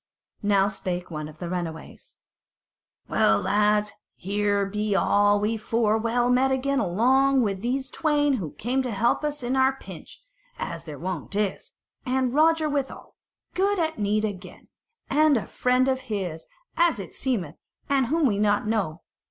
Now spake one of the runaways: "Well, lads, here be all we four well met again along with those twain who came to help us at our pinch, as their wont is, and Roger withal, good at need again, and a friend of his, as it seemeth, and whom we know not.